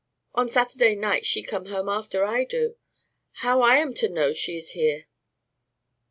"On Saturday nights she come home after I do. How I am to know she is here?"